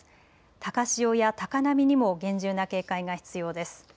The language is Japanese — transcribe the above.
高潮や高波にも厳重な警戒が必要です。